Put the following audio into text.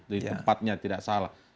ditempatnya tidak salah